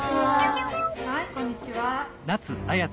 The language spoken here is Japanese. はいこんにちは。